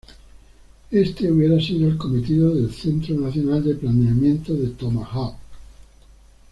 Este hubiera sido el cometido del Centro Nacional de Planeamiento del Tomahawk.